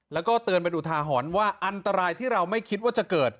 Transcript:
แล้วก็เตือนเป็นอุทาหรณ์ว่าอันตรายที่เราไม่คิดว่าจะเกิด